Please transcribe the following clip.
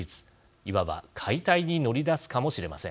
いわば解体に乗り出すかもしれません。